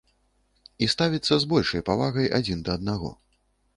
І ставіцца з большай павагай адзін да аднаго.